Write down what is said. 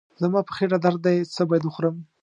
زما په خېټه درد دی، څه باید وخورم؟